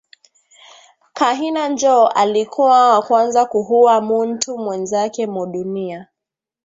Kahina njo alikuwa wakwanza kuhuwa muntu mwenzake mu dunia